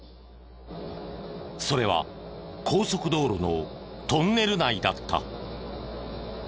それは高速道路のトンネル内だった。